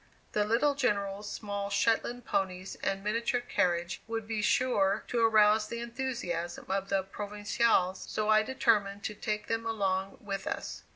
The little General's small Shetland ponies and miniature carriage would be sure to arouse the enthusiasm of the "Provincials," so I determined to take them along with us.